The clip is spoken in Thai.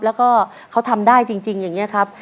แล้วก็เขาทำได้จริงอย่างนี้ครับ